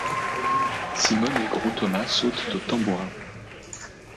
Simone et Gros Thomas sautent au tambourin ;